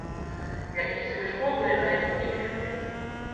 Які з іх шкодны, а які не вельмі?